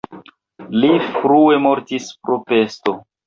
Li frue mortis pro pesto.